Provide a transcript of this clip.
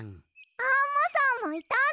アンモさんもいたんだ！